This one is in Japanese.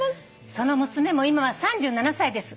「その娘も今は３７歳です」